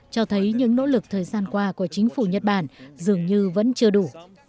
cho thấy những nỗ lực thời gian qua của chính phủ nhật bản dường như vẫn chưa đủ